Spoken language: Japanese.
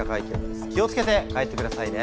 気を付けて帰ってくださいね。